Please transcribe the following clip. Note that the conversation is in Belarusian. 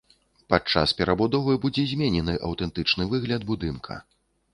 Падчас перабудовы будзе зменены аўтэнтычны выгляд будынка.